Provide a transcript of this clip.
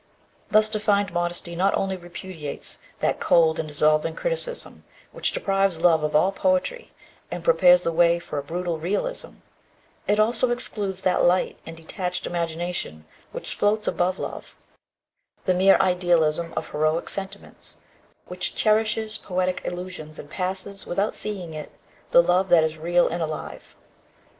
Thus defined, modesty not only repudiates that cold and dissolving criticism which deprives love of all poetry, and prepares the way for a brutal realism; it also excludes that light and detached imagination which floats above love, the mere idealism of heroic sentiments, which cherishes poetic illusions, and passes, without seeing it, the love that is real and alive.